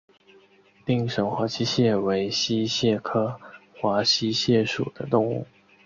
定县华溪蟹为溪蟹科华溪蟹属的动物。